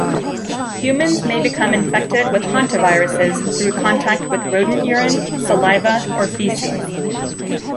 Humans may become infected with hantaviruses through contact with rodent urine, saliva, or feces.